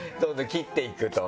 切っていくと。